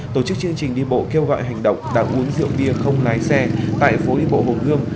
tổ chức chương trình đi bộ kêu gọi hành động đã uống rượu bia không lái xe tại phố đi bộ hồ gươm